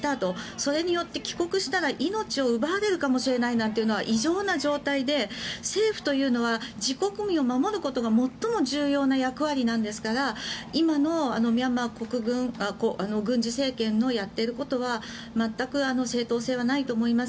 それによって帰国したら命を奪われるかもしれないなんていうのは異常な状態で政府というのは自国民を守ることが最も重要な役割なんですから今のミャンマー国軍軍事政権のやっていることは全く正当性はないと思います。